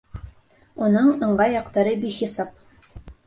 Уның ыңғай яҡтары бихисап.